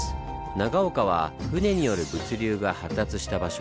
長岡は舟による物流が発達した場所。